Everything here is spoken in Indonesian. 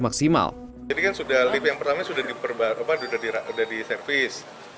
jadi kan sudah lift yang pertama sudah diservis